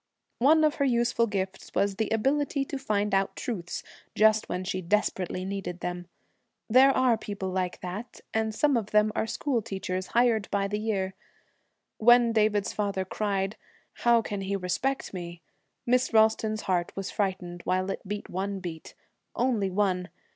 One of her useful gifts was the ability to find out truths just when she desperately needed them. There are people like that, and some of them are school teachers hired by the year. When David's father cried, 'How can he respect me?' Miss Ralston's heart was frightened while it beat one beat. Only one.